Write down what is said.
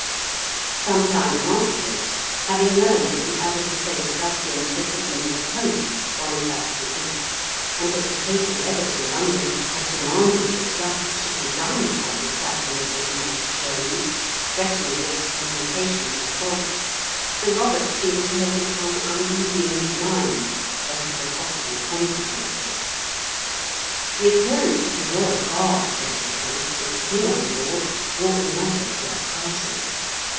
Some time afterwards, having learned that the Abbot of St. Augustine's had written to the Pope (Boniface VIIL), and that the papal , legate in London had demanded that justice should be done upon the sacrilegious knight of Shurland, threatening excommunication in default, Sir Robert seems to have become uneasy in his mind as to the possible conse quences. The appearance of the royal barge ojff the coast, with the king on board, brought the matter to a crisis.